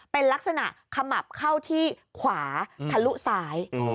เป็นลักษณะขมับเข้าที่ขวาทะลุซ้าย